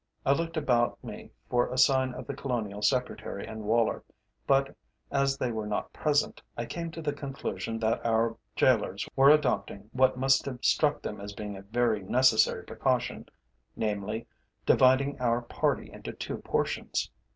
I looked about me for a sign of the Colonial Secretary and Woller, but as they were not present, I came to the conclusion that our gaolers were adopting, what must have struck them as being a very necessary precaution, namely, dividing our party into two portions.